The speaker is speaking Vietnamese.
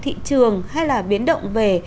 thị trường hay là biến động về